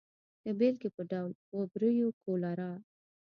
د بېلګې په ډول وبریو کولرا.